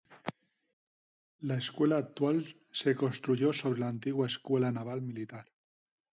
La Escuela actual se construyó sobre la antigua Escuela Naval Militar.